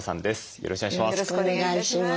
よろしくお願いします。